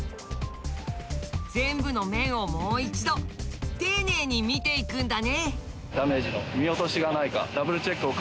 全部の面をもう一度丁寧に見ていくんだね。